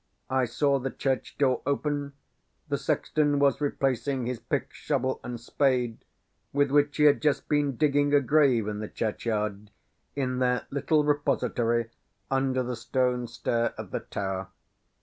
I saw the church door open; the sexton was replacing his pick, shovel, and spade, with which he had just been digging a grave in the churchyard, in their little repository under the stone stair of the tower.